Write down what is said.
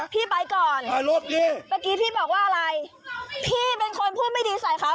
พี่ไปก่อนเมื่อกี้พี่บอกว่าอะไรพี่เป็นคนพูดไม่ดีใส่เขา